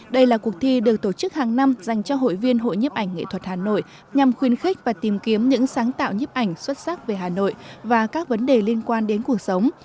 đây là cuộc thi được tổ chức hàng năm dành cho hội viên hội nhiếp ảnh nghệ thuật hà nội nhằm khuyên khích và tìm kiếm những sáng tạo nhiếp ảnh xuất sắc về hà nội và các vấn đề liên quan đến cuộc sống